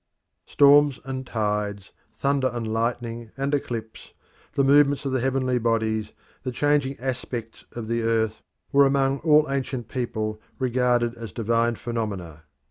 Storms and tides, thunder and lightning and eclipse, the movements of the heavenly bodies, the changing aspects of the earth, were among all ancient people regarded as divine phenomena.